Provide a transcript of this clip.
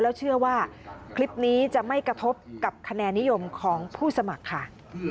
แล้วเชื่อว่าคลิปนี้จะไม่กระทบกับคะแนนนิยมของผู้สมัครค่ะ